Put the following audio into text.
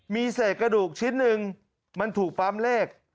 มีเศษกระดูกชิ้นหนึ่งมันถูกปั๊มเลข